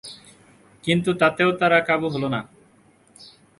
কিন্তু তাতেও তারা কাবু হলো না।